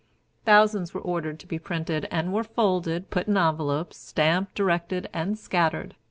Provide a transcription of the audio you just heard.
Thousands were ordered to be printed, and were folded, put in envelopes, stamped, directed, and scattered.